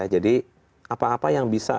jadi apa apa yang bisa